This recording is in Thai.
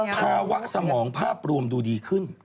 ภาวะสมองภาพรวมดูดีขึ้น